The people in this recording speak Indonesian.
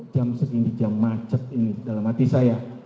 jam segini jam macet ini dalam hati saya